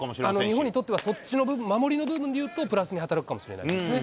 日本にとっては、そっちの部分、守りの部分でいうと、プラスに働くかもしれないですね。